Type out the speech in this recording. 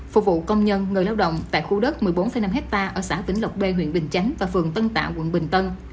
phục vụ công nhân người lao động tại khu đất một mươi bốn năm hectare ở xã vĩnh lộc b huyện bình chánh và phường tân tạng quận bình tân